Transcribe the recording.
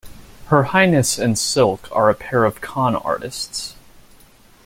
Her Highness and Silk are a pair of con artists.